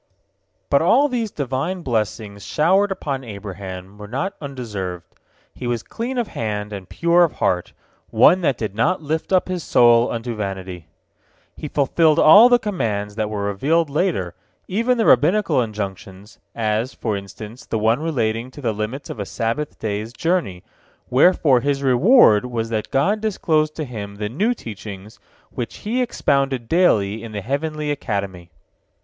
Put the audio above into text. But all these Divine blessings showered upon Abraham were not undeserved. He was clean of hand, and pure of heart, one that did not lift up his soul unto vanity. He fulfilled all the commands that were revealed later, even the Rabbinical injunctions, as, for instance, the one relating to the limits of a Sabbath day's journey, wherefor his reward was that God disclosed to him the new teachings which He expounded daily in the heavenly academy.